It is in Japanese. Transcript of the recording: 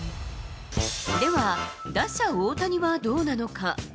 では、打者、大谷はどうなのか。